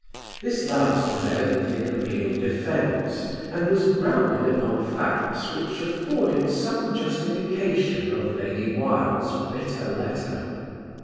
This last was evidently the real defence and was grounded upon facts which afforded some justification of Lady Wilde's bitter letter.